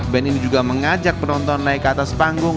band ini juga mengajak penonton naik ke atas panggung